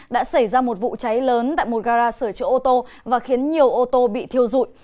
đã xảy ra một vụ cháy lớn tại một gara sửa chữa ô tô và khiến nhiều ô tô bị thiêu dụi